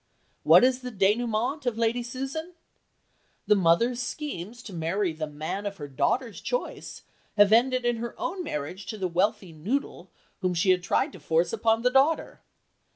What is the dénouement of Lady Susan? The mother's schemes to marry the man of the daughter's choice have ended in her own marriage to the wealthy noodle whom she had tried to force upon the daughter.